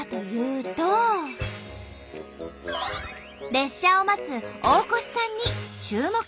列車を待つ大越さんに注目。